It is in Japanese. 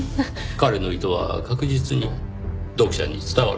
彼の意図は確実に読者に伝わるでしょう。